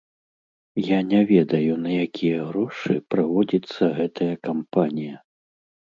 Я не ведаю, на якія грошы праводзіцца гэтая кампанія.